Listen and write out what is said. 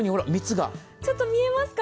ちょっと見えますか？